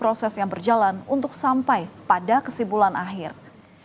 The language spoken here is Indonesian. harus menjaga kekerasan dan kesan pada pemimpin dan pengguna yang berasal dari sekolah